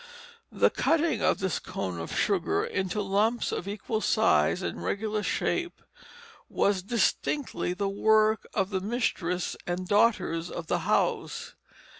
The cutting of this cone of sugar into lumps of equal size and regular shape was distinctly the work of the mistress and daughters of the house.